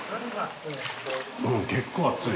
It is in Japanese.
結構熱い。